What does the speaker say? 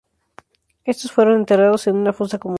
Estos fueron enterrados en una fosa común.